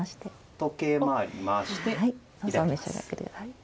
時計回りに回して。